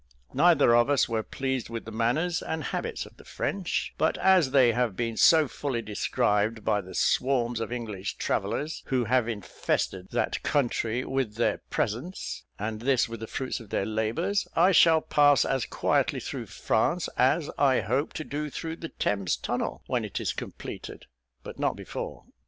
Neither of us were pleased with the manners and habits of the French; but as they have been so fully described by the swarms of English travellers who have infested that country with their presence, and this with the fruits of their labours, I shall pass as quietly through France, as I hope to do through the Thames Tunnel, when it is completed, but not before.